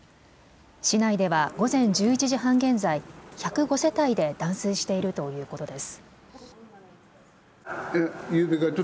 市内では午前１１時半現在１０５世帯で断水しているということです。